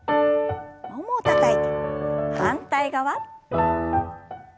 ももをたたいて反対側。